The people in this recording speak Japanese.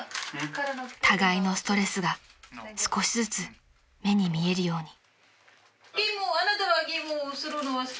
［互いのストレスが少しずつ目に見えるように］